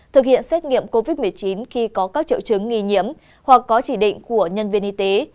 thực hiện xét nghiệm covid một mươi chín khi có các triệu chứng nghi nhiễm hoặc có chỉ định của nhân viên y tế